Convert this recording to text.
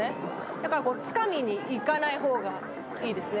だからつかみにいかないほうがいいですね